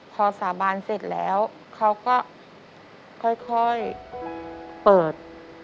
พอสาบานเสร็จแล้วเขาก็ค่อยเปิด